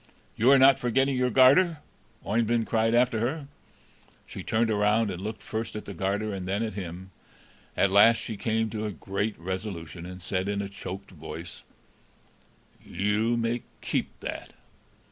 "You are not forgetting your garter?" Oeyvind cried after her. She turned around, and looked first at the garter and then at him. At last she came to a great resolution, and said, in a choked voice: "You may keep that."